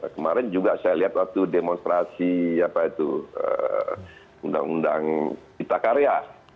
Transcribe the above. kemarin juga saya lihat waktu demonstrasi undang undang kita karya